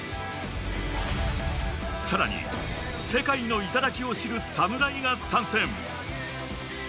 さらに、世界の頂を知る侍が参戦。